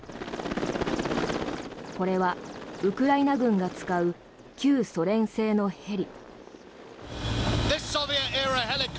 これはウクライナ軍が使う旧ソ連製のヘリ。